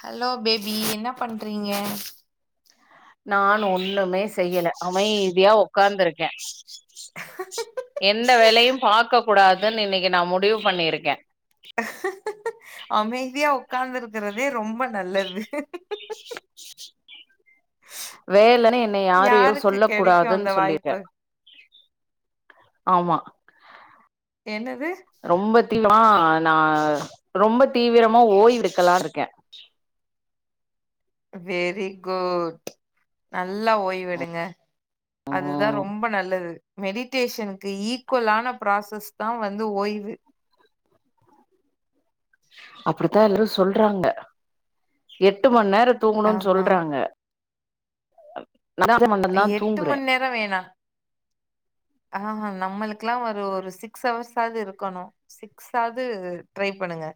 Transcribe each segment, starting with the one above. Hello baby என்ன பண்றீங்க? நான் ஒன்னுமே செய்யல அமைதியா ஒக்காந்துருக்கே [inaudible] எந்த வேலையும் பாக்க கூடாதுன் இன்னக்கி நா முடிவு பண்ணிருக்கே அமைதியா ஒக்காந்துருக்குறதே ரொம்ப நல்லது வேலனு என்ன யாரு எது யாருக்கு சொல்ல கெடைக்கும் கூடாதுன் அந்த சொல்லிடே வாய்ப்பு ஆமா என்னது வா நா ரொம்ப தீவிரமா ஓய்வெடுக்கலான்ருக்கே வெரி குட் நல்லா ஓய்வெடுங்க அதுதா ம் ரொம்ப நல்லது மெடிடேஷனுக்கு ஈக்வலான ப்ராசஸ் தா வந்து ஓய்வு அப்டித்தா எல்லாரு சொல்றாங்க எட்டு மண் நேர தூங்கனுன் ஆமா சொல்றாங்க [inaudible] மண் நேரந்தா எட்டு தூங்குறே மண் நேர வேணா ஆஹா நம்மளுக் லா ஒரு ஒரு சிக்ஸ் அவர்ஸாது இருக்கனு சிக்ஸ் ஆது ட்ரை பண்ணுங்க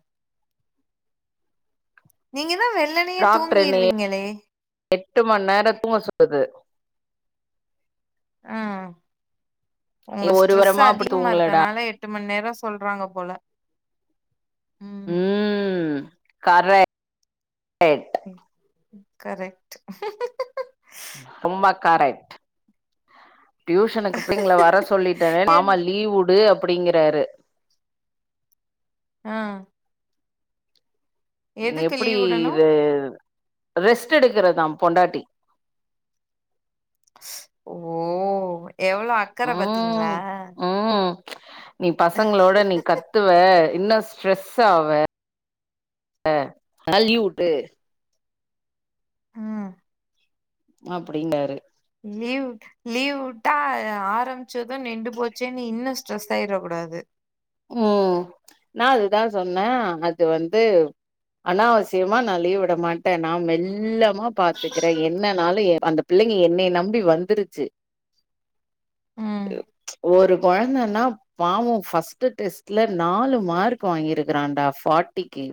நீங்க தான் வெள்ளனையே டாக்ட்ரு என்னய தூங்கிடுவீங்களே எட்டு மண் நேர தூங்க சொல்லுது ஆ நீ உங்க ஒரு ஸ்ட்ரெஸ்ஸு வாரமா அப்டி அதிகமா தூங்கலடா இருக்கனால எட்டு மண் நேரொ சொல்றாங்கப் போல ம் ம் கரெ ம் கரெக்ட் ரொம்ப கரெக்ட் டியூஷனுக்கு பிள்ளைங்கள வர சொல்லிட்டனே என் மாமா லீவ் வுடு அ ப்புடிங்கிறாரு ஆ எதுக்கு எப்டி லீவ் விடணு இது ரெஸ்ட் எடுக்குறதா பொண்டாட்டி ஸ் ஓ எவ்வளோ அக்கற ம் பாத்தீங்ளா? ம் நீ பசங்களோட நீ கத்துவ இன்னும் ஸ்ட்ரெஸ் ஆவே ஆ தள்ளிவுட்டு ம் அப்புடிங்காரு லீவ் லீவ் விட்டா ஆரம்பிச்சது நிண்டு போச்சேன்னு இன்னு ஸ்ட்ரெஸ் ஆயிட கூடாது உம் நா அதுதா சொன்னே அது வந்து அனாவசியமா நா லீவு மாட்டே நா மெல்ல மா பாத்துக்குற என்ன அந்த பிள்ளைங்க என்னைய நம்பி வந்துருச்சு ம் ஒரு கொழந்தைன்னா பாவோ ஃபஸ்டு த்து டெஸ்ட்ல நாலு மார்க் வாங்கியிருக்கிறான்டா ஃபாட்டிக்கு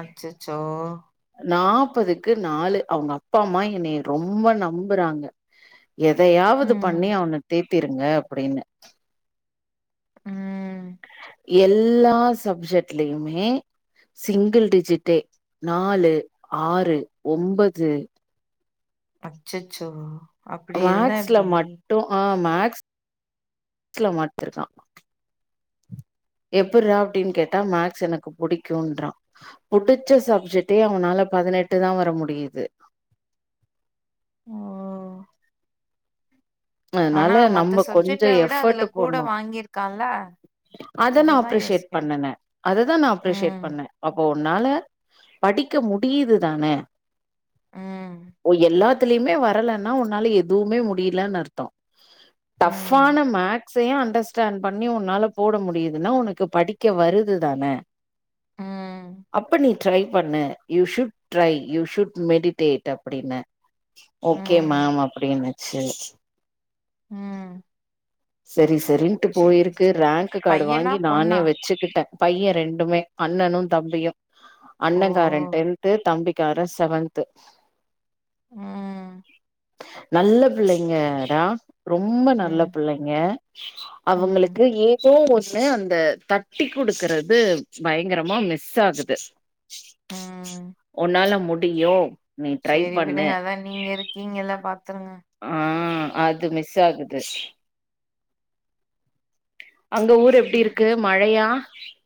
அச்சச்சோ க்கு நாலு அவுங்க அப்பா அம்மா என்னய ரொம்ப நம்புறாங்க எதயாவது ம் பண்ணி அவன தேத்தி த்திருங்க அப்டின்னு உம் எல்லா சப்ஜெக்ட்லயுமே சிங்கிள் டிஜிட்டே நாலு ஆறு ஒம்பது அச்சச்சோ அப்டி இருந்தா மேக்ஸ்ல எப்டி மட்டு ஆ மேக்ஸ் மேக்ஸ்ல மட்டுந்தா எப்புறா அப்டினு கேட்டா மேக்ஸ் எனக்கு புடிக்குன்றா புடுச்ச சப்ஜெக்ட் இப்பயே அவனால பதினெட்டு தா வர முடியுது ஓ ஆனா அதனால மத்த நம்ம கொஞ்சோ சப்ஜெக்ட விட அதுல எஃபர்ட் கூட போட்ணு வாங்கியிருக்காங் அத நா அப்ரிசியேட் பண்ணுனே அததா நா அப்ரிசியேட் ம் பண்ணே அப்போவ் உன்னால படிக்க முடியுது தான ம் ஓ எல்லாத் துலுமே வரலன்னா உன்னால எதுவுமே முடியலன்னு அர்த்தோ ம் டப்பான மேக் சே அண்டர்ஸ்டாண்ட் பண்ணி உன்னால போட முடியுதுன்னா ஒனக்கு படிக்க வருது தான ம் அப்ப நீ ட்ரை பண்ணு you should try you should meditate அப்டின்னே ஓக்கே ம் மேம் அப்டின்னு சேரி ம்... செரி செரி சரின்ட்டு சேரி போயிருக்கு சேரி ரேங்க்கு காடு பையனா வாங்கி பொண்ணா நானே வச்சுக்கிட்டே பைய ரெண்டுமே அண்ணனு தம்பியு ஓ அண்ணங்கார டென்த்து தம்பிக்கார செவன்த்து ம் நல்ல பிள்ளைங்க ரா ரொம்ப நல்லப் ம் ங்க ம் அவுங்களுக்கு ஏ தோ ஒன்னு அந்த தட்டி குடுக்குறது பயங்கரமா மிஸ் ஆகுது ம் ஒன்னால மு டியு சேரி விடுங்க அதா நீங்க இருக்கீங்கல்ல பா த்துங்க ஆ அது மிஸ் ஆகுது [inaudible] அந்த ஊர் எப்டி சேரி இருக்கு மழையா? [unintelligible]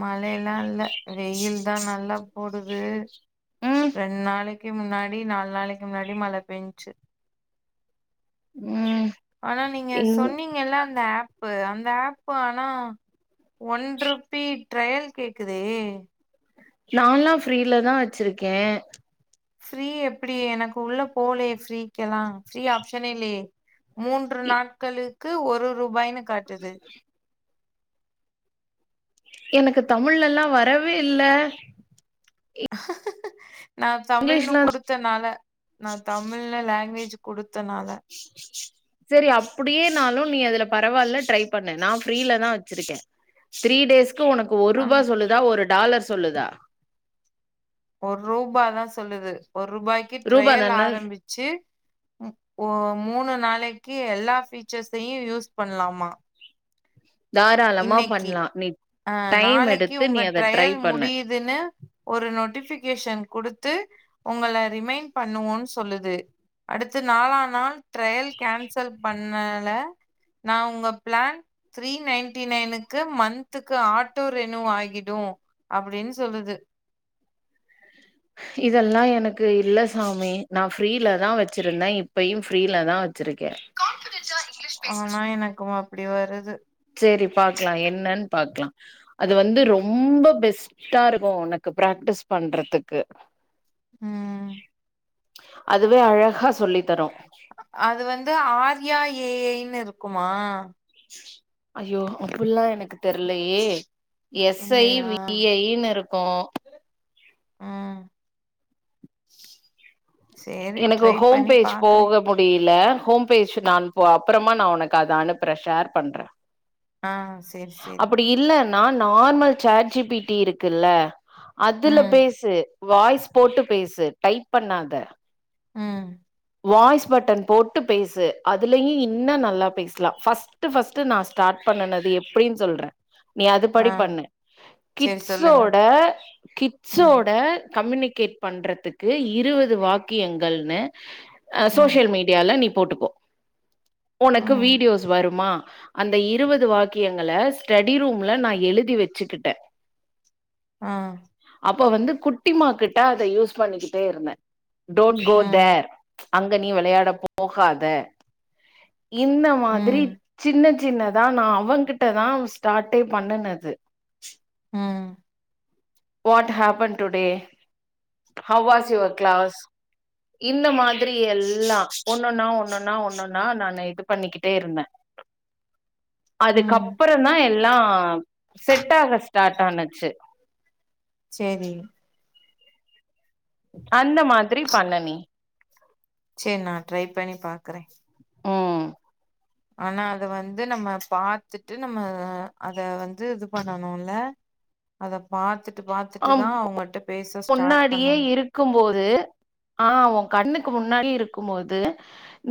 மழைலா இல்ல வெயில் தா நல்லா போடுது ம் ரெண் நாளைக் கு முன்னாடி நால் நாளைக்கு முன்னாடி மழ பேஞ்ச்சு ம் ஆனா நீங்க இங் சொன்னீங்கெல்ல அந்த ஆப் பு அந்த ஆப்பு ஆனா ஒன் ருப்பீ ட்ரயல் கேக்குதே நால்லா ஃப்ரீல தா வச்சுருக்கே ஃப்ரீ எப்பிடி எனக்கு உள்ள போலயே ஃப்ரீ க்கெலா ஃப்ரீ ஆப்ஷனே இல்லயே மூன்று இ நாட்களுக் கு ஒரு ரூ பாய்னு காட்டுது எனக்கு தமிழ்லல்லா வரவே இல்ல ஹ நா தமிழ்னு இங்கிலீஷ்ல குடுத்தனால நா தமிழ்னு லாங்குவேஜ் குடுத்தனால சேரி அப்டியேனாலு நீ அதுல பரவாயில்ல ட்ரை பண்ணு நா ஃபிரீல தா வச்சிருக்கே த்ரீ டேஸ் ஒனக்கு ஒரூபா ஆமா சொல்லிதா ஒரு டாலர் சொல்லுதா ஒரு ரூபாதா சொல்லுது ஒரு ரூபாய்க்கு ரூபா ட்ரயல் தான ஆரம்பிச்சு மூனு நாளைக் க்கு எல்லா ஃபீச்சர்ஸையு யூஸ் பண்லாமா [inaudible] இன்னைக்கு பண்லா நீ அ டைம் நாளைக்கு எடுத்து நீ உங்க அத ட்ரை ட்ரையல் பண்ணு முடியுதுன்னு ஒரு நோட்டிபிகேஷன் கொடுத் த்து உங்கள ரிமைண்ட் பண்ணுவோன்னு சொல்லுது அடுத்து நாலா நாள் ட்ரயல் கேன்சல் பண் னால நா உங்க பிளான் த்ரீ நைன் ன்டி நைனுக்கு மன்துக்கு ஆட்டோ ரெனூ ஆகிடு அப்டின்னு சொல்லுது இதெல்லா எனக்கு இல்ல சாமி நா ஃப்ரீல தா வச்சிருந்தே இப்பையு ஃப்ரீலதா வச் ஆனா எனக்கு அப்டி வருது சேரி பாக்கலா என்னன்னு பாக்கலா அது வந்து ரொம்ப பெஸ்டா இருக்கு ஓனக்கு பிராக்டிஸ் பண்றதுக்கு உம் அதுவே அழகா சொல்லி தரு அது வந்து ஆர்யா ஏ ஐன்னு இருக்கு ருக்குமா ஐயோ அப்டில்லா எனக்கு தெர்லையே எஸ் ஐ இல்லையா? வி ஐ னு இரு ருக்கு உம் எனக்கு ஹோம் பேஜ் போக முடியல ஹோம் பேஜ் நான் அப்புறமா நா உனக்கு அத அனுப்புறே ஷேர் பண்றே ஆ சரி சரி. அப்டி இல்ல ஆ நார்மல் சேட் ஜி பிட்டி இருக்குல்ல அதுல ம், பேசு வாய்ஸ் போட்டு பேசு டைப் பண்ணாத உம் வாய்ஸ் பட்டன் போட்டு பேசு அதுலயும் இன்னும் நல்லா பேசலாம் ஃபர்ஸ்ட்டு ஃபர்ஸ்ட்டு நான் ஸ்டார்ட் பண்ணனது எப்படின்னு சொல்றேன் நீ ஆ அதுபடி பண்ணு சரி சொல்லுங்க. கிட்ஸ்ஸோட ம், கிட்ஸ்ஸோட கம்யூனிகேட் பண்றதுக்கு இருவது வாக்கியங்கள்ன்னு ஆ ம், சோஷியல் மீடியால நீ போட்டுக்கோ உனக்கு ம், வீடியோஸ் வருமா அந்த இருவது வாக்கியங்களை ஸ்டடி ரூம்பல நான் எழுதி வச்சுக்கிட்டேன் ஆ இப்ப வந்து குட்டிமா கிட்டா அதை யூஸ் பண்ணிக்கிட்டே இருந்தேன் டோன்ட் கோ ம், தேர் அங்க நீ விளையாட போகாத இந்த மாதிரி ம், சின்ன சின்னதான் நான் அவ கிட்டதான் ஸ்டார்ட்டே பண்ணுனது ம் what happen today how was your class இந்த மாதிரி எல்லாம் ஒன்னுன்னா ஒன்னுன்னா ஒன்னுன்னா நான் இது பண்ணிக்கிட்டே இருந்தேன் ம். அதுக்கப்புறம்தான் எல் லாம் செட்டாக ஸ்டார்ட் ஆனுச்சு சேரி அந்த மாதிரி பண்ணு நீ செரி நான் ட்ரை பண்ணி பாக்குறேன் ம் ஆனா அத வந்து நம்ம பாத்துட்டு நம்ம அத வந்து இது பண்ணணும்ல அத பார்த்துட்டு பார்த்துட்டு ஆம் தான் அவுங்கிட்ட பேய் முன்னாடியே இருக்கும்போ ஆ உன் கண்ணுக்கு முன்னாடி இருக்கும் போது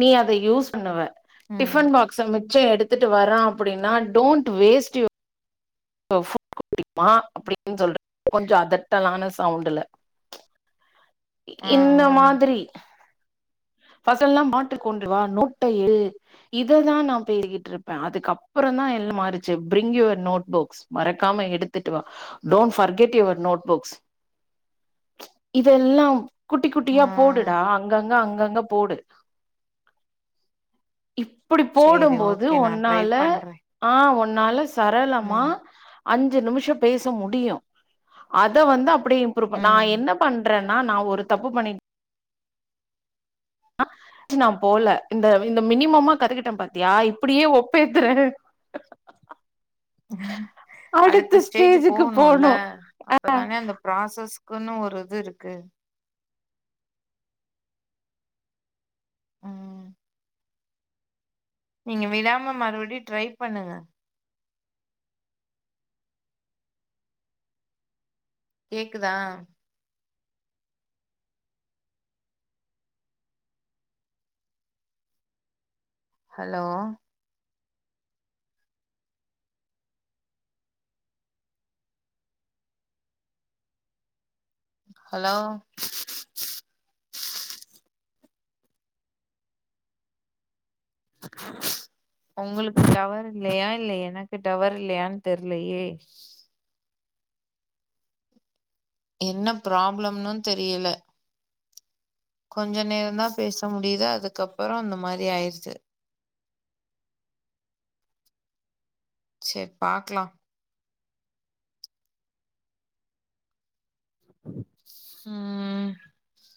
நீ அத யூஸ் பண்ணுவ ம், டிஃபன் பாக்ஸ் அங்க ச்சு எடுத்துட்டு வரான் அப்படின்னா don't waste U var food அப்டினா அப்படின்னு சொல்ற கொஞ்சம் அதட்டலான சவுண்ட்டுல ஆ, இந்த ஆ, மாதிரி பசங்கலாம் மாட்டு கொண்டுவா நோட்டூ இததான் நான் பெருகிட்டு இருப்பேன் அதுக்குஅப்புறம் தான் என் மாறிச்சு ப்ரிங் யுவர் நோட்புக்ஸ் மறக்காம எடுத்துட்டு வா டோன்ட் ஃபர்கெட் யுவர் நோட்புக்ஸ் இல்லாம் குட்டி குட்டியா ஆ. போடுடா அங்கங்க அங் அங்க போடு இப்டி சரி போடும்போது ஓகே நான் ட்ரை ஒன்னால பண்றேன். ஆ ஒ நால சரளமா ம், அஞ்சு நிமிஷோ பேச முடியு அத வந்து இப்ரூவ் நா ம். என்ன பண்ற ரா நா ஒரு தப்பு பண்ண நா போல இந்த மினிமமா கத்துக்கிட்டே பாத்தியா இப்டியே ஒப்பேத்துறே அடுத்த ஸ்டேஜ் ஸ்டேஜுக்கு போகணுல்ல போனு அப்தான அந்த ப்ராசஸ் க்குன்னு ஒரு இது இருக்கு உம் நீங்க விடாம மறுபடியு ட்ரை பண்ணுங்க கேக்குதா ஹலோ ஹலோ ஒங்களுக்கு டவர் இல்லையா இல்ல எனக்கு டவர் இல்லையான்னு தெர்லையே என்ன ப்ராப்ளம்ன்னு தெரியல கொஞ்ச நேரந்தா பேச முடியுது அதுக்கப்றோ இந்த மாதிரி ஆயிடுச்சு செரி பாக்கலா உம்